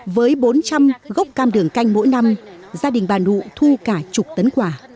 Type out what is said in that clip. với bốn trăm linh gốc cam đường canh mỗi năm gia đình bà nụ thu cả chục tấn quả